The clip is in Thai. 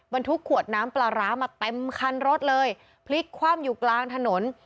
บรรทุกขวดน้ำปลาร้ามาเต็มคันรถเลยพลิกคว่ำอยู่กลางถนน